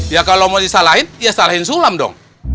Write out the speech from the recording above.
ya kalau mau disalahin ya salahin sulam dong